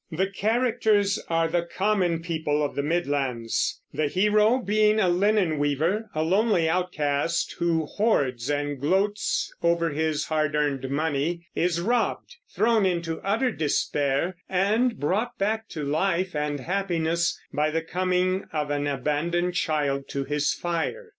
The characters are the common people of the Midlands, the hero being a linen weaver, a lonely outcast who hoards and gloats over his hard earned money, is robbed, thrown into utter despair, and brought back to life and happiness by the coming of an abandoned child to his fire.